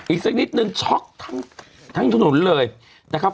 อีกสักนิดนึงช็อกทั้งถนนเลยนะครับ